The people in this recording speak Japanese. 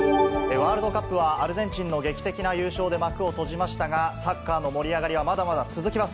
ワールドカップは、アルゼンチンの劇的な優勝で幕を閉じましたが、サッカーの盛り上がりはまだまだ続きます。